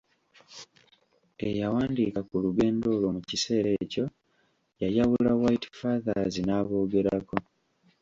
Eyawandiika ku lugendo olwo mu kiseera ekyo yayawula White Fathers n'aboogerako.